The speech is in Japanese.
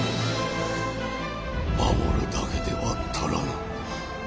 守るだけでは足らぬ。